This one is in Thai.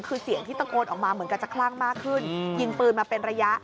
คือเสียงที่ตะโกนออกมาเหมือนกันจะคลั่งมากขึ้นยิงปืนมาเป็นระยะ